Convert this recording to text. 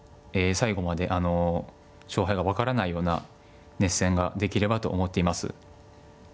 最後まであの勝敗が分からないような熱戦ができればと思っています。